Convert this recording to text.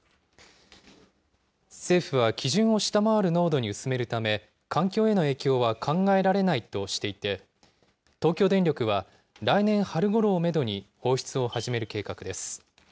政府は基準を下回る濃度に薄めるため、環境への影響は考えられないとしていて、東京電力は、来年春ごろをメドに放出を始める計画です。